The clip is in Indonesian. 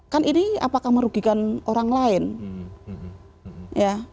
kan ini apakah merugikan orang lain ya